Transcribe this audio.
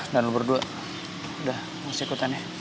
dan lo berdua udah mau ikutannya